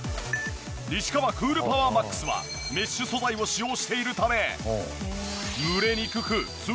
西川クールパワーマックスはメッシュ素材を使用しているため。